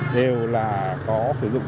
đều là có sử dụng